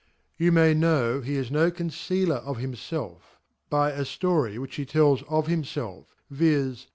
Tou may know he is no concealer of himfelf y by aflory which he tells of himfelf viz.